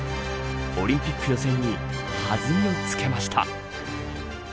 オリンピック予選に弾みをつけました。